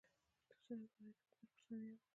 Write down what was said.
د سرعت واحد متر پر ثانيه ده.